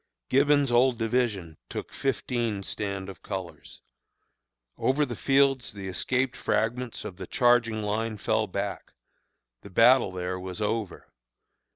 Gibbon's old division took fifteen stand of colors. "Over the fields the escaped fragments of the charging line fell back the battle there was over.